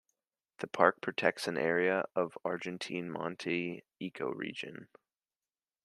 The park protects an area of the Argentine Monte ecoregion.